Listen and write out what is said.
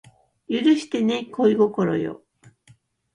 許してね恋心よ